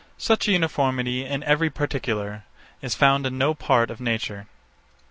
Such a uniformity in every particular, is found in no part of nature.